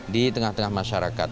di tengah tengah masyarakat